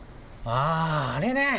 あぁあれね！